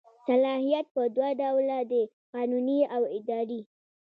صلاحیت په دوه ډوله دی قانوني او اداري.